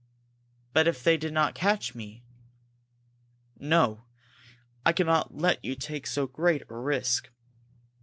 "But if they did not catch me " "No! I cannot let you take so great a risk.